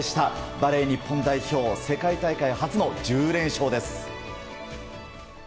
バレー日本代表世界大会初の１０連勝です。